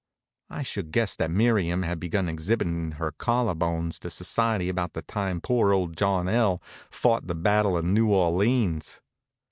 I should guess that Miriam had begun exhibitin' her collar bones to society about the time poor old John L. fought the battle of New Orleans.